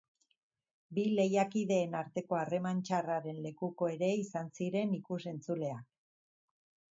Bi lehiakideen arteko harreman txarraren lekuko ere izan ziren ikus-entzuleak.